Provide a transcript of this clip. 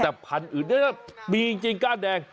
แต่พันธุ์อื่นมีจริงก้านแดง